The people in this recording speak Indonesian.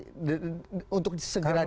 untuk segera diisi karena ini undang undang